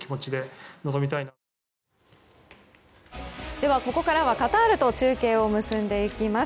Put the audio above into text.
では、ここからはカタールと中継を結んでいきます。